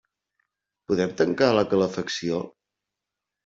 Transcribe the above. Podem tancar la calefacció?